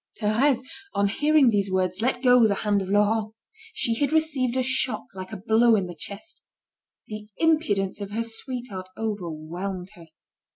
Thérèse, on hearing these words, let go the hand of Laurent. She had received a shock like a blow in the chest. The impudence of her sweetheart overwhelmed her.